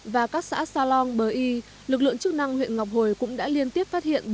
và các xã sa long bờ y lực lượng chức năng huyện ngọc hồi cũng đã liên tiếp phát hiện